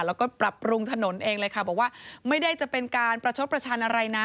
แล้วก็ปรับปรุงถนนเองเลยค่ะบอกว่าไม่ได้จะเป็นการประชดประชันอะไรนะ